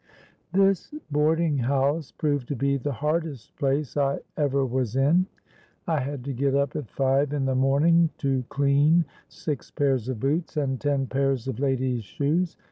"This boarding house proved to be the hardest place I ever was in. I had to get up at five in the morning to clean six pairs of boots and ten pairs of ladies' shoes.